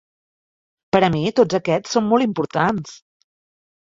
Per a mi, tots aquests són molt importants.